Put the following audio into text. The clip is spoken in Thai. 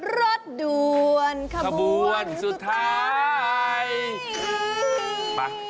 รถด่วนขบวนสุดท้ายไป